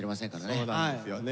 そうなんですよね。